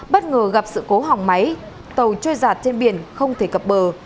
bất ngờ gặp sự cố hỏng máy tàu trôi giạt trên biển không thể cập bờ